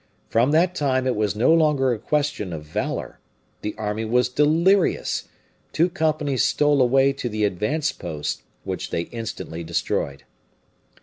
From that time it was no longer a question of valor the army was delirious; two companies stole away to the advanced posts, which they instantly destroyed.